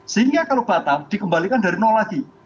sehingga kalau batam dikembalikan dari nol lagi